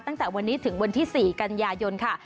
ตั้งแต่วันนี้ถึงวันที่๔กันยายนค่ะ